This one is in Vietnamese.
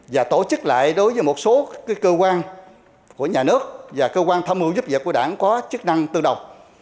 và tổ chức lại đối với một số cơ quan của nhà nước và cơ quan tham mưu giúp dạy của đảng có chức năng tương đồng